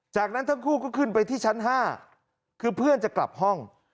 จากนั้นทั้งคู่ก็ขึ้นไปที่ชั้น๕คือเพื่อนจะกลับห้อง